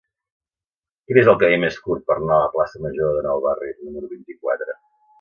Quin és el camí més curt per anar a la plaça Major de Nou Barris número vint-i-quatre?